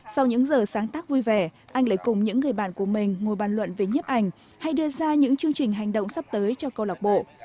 sau những giờ sáng tác vui vẻ anh lại cùng những người bạn của mình ngồi bàn luận về nhiếp ảnh hay đưa ra những chương trình hành động sắp tới cho câu lạc bộ